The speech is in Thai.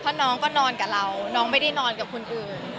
เพราะน้องก็นอนกับเราน้องไม่ได้นอนกับคนอื่น